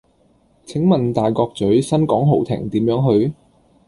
請問大角嘴新港豪庭點樣去?